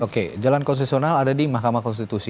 oke jalan konstitusional ada di mahkamah konstitusi